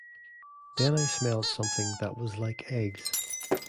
Then I smelled something that was like eggs.